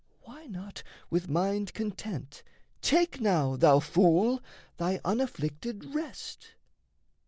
why not with mind content Take now, thou fool, thy unafflicted rest?